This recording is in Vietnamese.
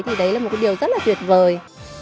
thì đấy là một cái điều rất là tuyệt vời